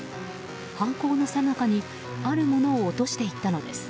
犯行のさなかにあるものを落としていったのです。